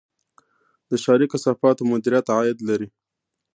د ښاري کثافاتو مدیریت عاید لري